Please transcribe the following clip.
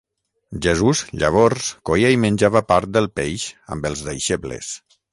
Jesús llavors coïa i menjava part del peix amb els deixebles.